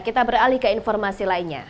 kita beralih ke informasi lainnya